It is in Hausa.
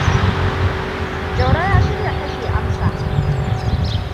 Jauro ya shirya kashe Amsaam.